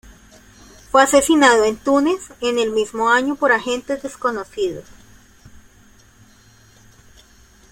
Fue asesinado en Túnez en el mismo año por agentes desconocidos.